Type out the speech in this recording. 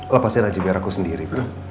lepasin aja biar aku sendiri